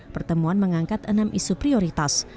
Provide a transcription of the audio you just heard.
pertemuan mengangkat enam isu prioritas